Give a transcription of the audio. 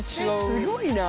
すごいな！